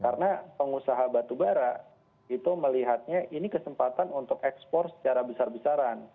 karena pengusaha batubara itu melihatnya ini kesempatan untuk ekspor secara besar besaran